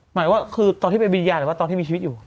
หมายว่าคือตอนที่ไปวิญญาณหรือว่าตอนที่มีชีวิตอยู่